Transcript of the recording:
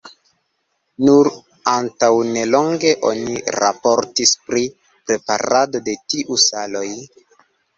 Nur antaŭnelonge oni raportis pri preparado de tiu saloj.